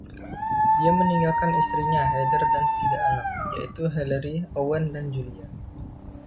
Dia meninggalkan istrinya Heather dan tiga anak, yaitu Hillary, Owen, dan Julia.